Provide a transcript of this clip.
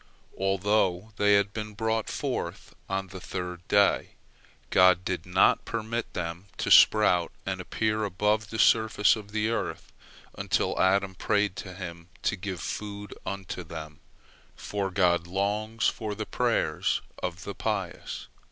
Although they had been brought forth on the third day, God did not permit them to sprout and appear above the surface of the earth, until Adam prayed to Him to give food unto them, for God longs for the prayers of the pious.